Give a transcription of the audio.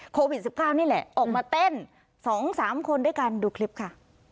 โควิด๑๙นี่แหละออกมาเต้น๒๓คนด้วยกันดูคลิปค่ะ